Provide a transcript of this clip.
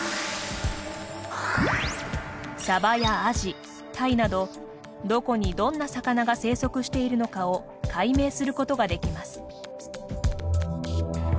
サバやアジタイなどどこにどんな魚が生息しているのかを解明することができます。